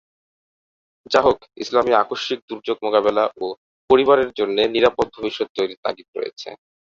যাহোক, ইসলামে আকস্মিক দুর্যোগ মোকাবেলা ও পরিবারের জন্যে নিরাপদ ভবিষ্যৎ তৈরীর তাগিদ রয়েছে।